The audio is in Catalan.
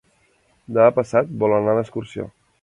Demà passat volen anar d'excursió.